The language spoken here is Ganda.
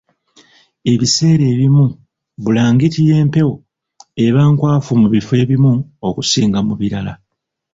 Ebiseera ebimu bbulangiti y'empewo eba nkwafu mu bifo ebimu okusinga mu birala